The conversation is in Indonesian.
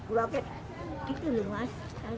orang tua itu dewas